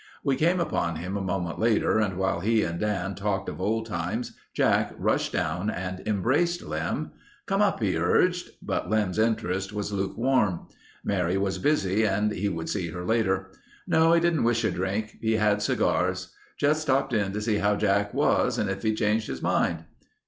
We came upon him a moment later and while he and Dan talked of old times Jack rushed down and embraced Lem. "Come up," he urged, but Lem's interest was lukewarm. Mary was busy and he would see her later. No, he didn't wish a drink. He had cigars. Just stopped in to see how Jack was and if he'd changed his mind.